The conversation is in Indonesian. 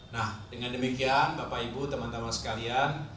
nah dengan demikian bapak ibu teman teman sekalian